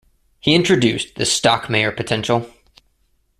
He introduced the Stockmayer potential.